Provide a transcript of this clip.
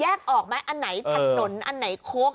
ออกไหมอันไหนถนนอันไหนโค้ง